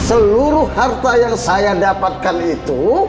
seluruh harta yang saya dapatkan itu